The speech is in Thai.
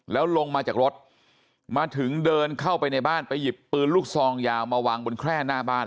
แล้วลงมาจากรถมาถึงเดินเข้าไปในบ้านไปหยิบปืนลูกซองยาวมาวางบนแคร่หน้าบ้าน